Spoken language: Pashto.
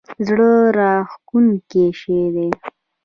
زړه راښکونکی شی دی.